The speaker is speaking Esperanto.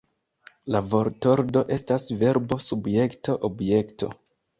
La vortordo estas Verbo Subjekto Objekto.